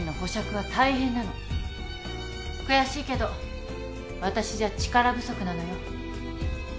悔しいけど私じゃ力不足なのよ。